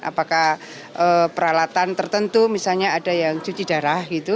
apakah peralatan tertentu misalnya ada yang cuci darah gitu